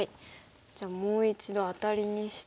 じゃあもう一度アタリにして。